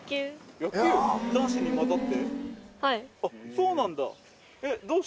そうなんだ。